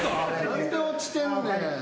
何で落ちてんねん。